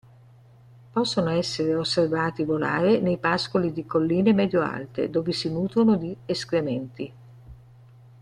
Possono essere osservati volare nei pascoli di colline medio-alte, dove si nutrono di escrementi.